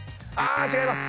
違います！